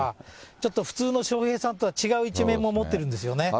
ちょっと普通の笑瓶さんとは違う一面も持ってるんですよね。